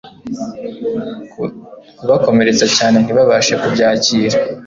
kubakomeretsa cyane ntibabashe kubyakira